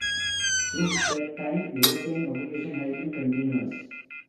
Since that time European occupation has been continuous.